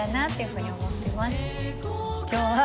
今日は。